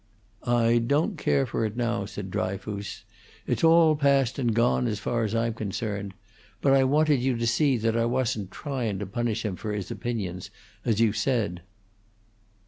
"I don't care for it now," said Dryfoos. "It's all past and gone, as far as I'm concerned; but I wanted you to see that I wasn't tryin' to punish him for his opinions, as you said."